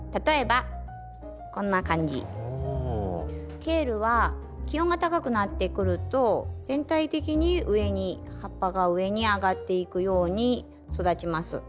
ケールは気温が高くなってくると全体的に上に葉っぱが上に上がっていくように育ちます。